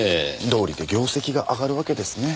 どうりで業績が上がるわけですね。